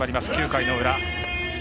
９回の裏。